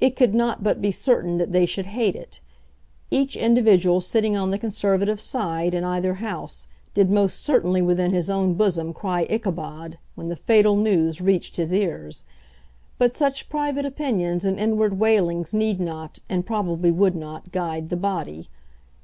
It could not but be certain that they should hate it. Each individual sitting on the Conservative side in either House did most certainly within his own bosom cry Ichabod when the fatal news reached his ears. But such private opinions and inward wailings need not, and probably would not, guide the body.